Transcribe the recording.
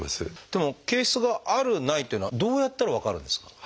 でも憩室があるないというのはどうやったら分かるんですか？